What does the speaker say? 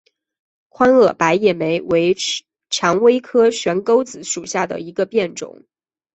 宽萼白叶莓为蔷薇科悬钩子属下的一个变种。